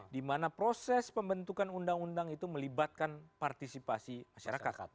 dimana proses pembentukan undang undang itu melibatkan partisipasi masyarakat